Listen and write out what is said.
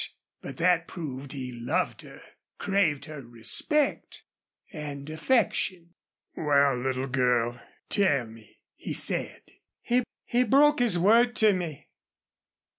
But that proved he loved her, craved her respect and affection. "Wal, little girl, tell me," he said. "He he broke his word to me."